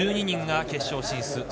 １２人が決勝進出。